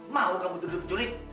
mau kamu duduk duduk curi